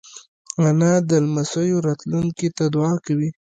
انا د لمسیو راتلونکې ته دعا کوي